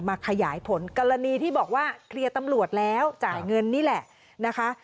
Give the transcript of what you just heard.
ขยายผลกรณีที่บอกว่าเคลียร์ตำรวจแล้วจ่ายเงินนี่แหละนะคะ